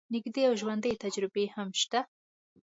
نژدې او ژوندۍ تجربې هم شته.